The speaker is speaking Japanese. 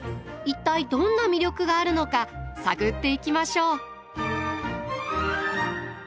一体どんな魅力があるのか探っていきましょう。